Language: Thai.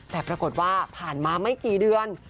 แต่ปรากฏว่าผ่านมาไม่กี่เดือน